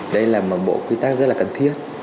đây là một bộ quy tắc rất là cần thiết